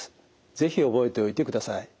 是非覚えておいてください。